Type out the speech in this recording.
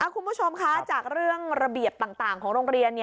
คุณผู้ชมคะจากเรื่องระเบียบต่างของโรงเรียน